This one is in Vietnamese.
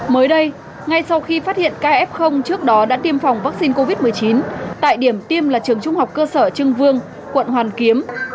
mới đây ngay sau khi phát hiện ca f trước đó đã tiêm phòng vaccine covid một mươi chín tại điểm tiêm là trường trung học cơ sở trưng vương quận hoàn kiếm